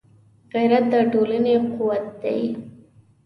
غیرت د ټولنې قوت دی